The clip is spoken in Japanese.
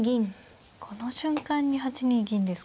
この瞬間に８二銀ですか。